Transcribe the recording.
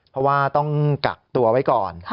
เพราะว่าต้องกักตัวไว้ก่อน